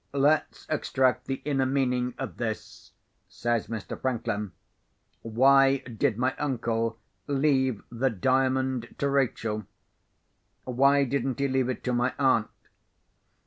"Let's extract the inner meaning of this," says Mr. Franklin. "Why did my uncle leave the Diamond to Rachel? Why didn't he leave it to my aunt?"